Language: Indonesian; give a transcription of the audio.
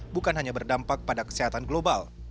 bukan hanya berdampak pada kesehatan global